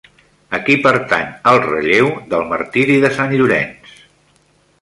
A qui pertany el relleu del Martiri de Sant Llorenç?